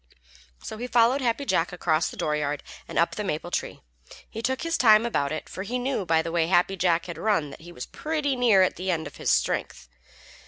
So he followed Happy Jack across the dooryard and up the maple tree. He took his time about it, for he knew by the way Happy Jack had run that he was pretty nearly at the end of his strength.